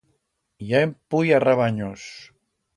Ya en puya rabanyos.